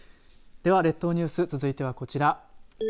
では、列島ニュース続いてはこちら。